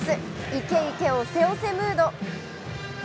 いけいけ押せ押せムード。